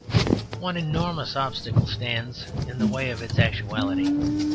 One enormous obstacle stands in the way of its actuality.